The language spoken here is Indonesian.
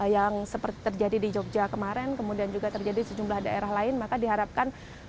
yang seperti terjadi di jogja kemarin kemudian juga terjadi di sejumlah daerah lain maka diharapkan